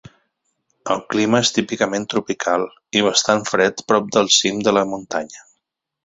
El clima és típicament tropical i bastant fred prop del cim de la muntanya.